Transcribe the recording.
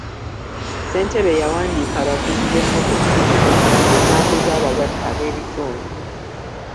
Ssentebe y'awandiika abavuzi b'emmotoka etambuza abalwadde ab'ebitundu.